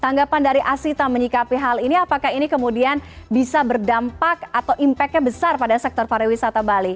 tanggapan dari asita menyikapi hal ini apakah ini kemudian bisa berdampak atau impactnya besar pada sektor pariwisata bali